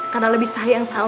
karena lebih sayang sama aku